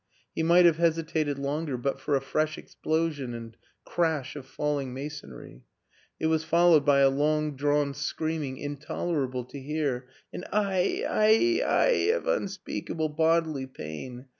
He might have hesitated longer but for a fresh explosion and crash of falling masonry; it was followed by a long drawn screaming intolerable to hear an Aie, Aie, Aie of unspeakable bodily pain.